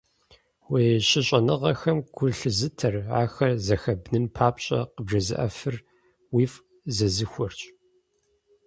Уи щыщӀэныгъэхэм гу лъызытэр, ахэр зэхэбнын папщӀэ къыбжезыӀэфыр, уифӀ зезыхуэрщ.